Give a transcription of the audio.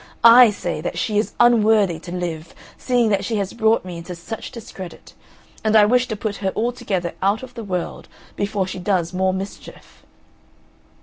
I say that she is unworthy to live, seeing that she has brought me into such discredit, and I wish to put her altogether out of the world before she does more mischief."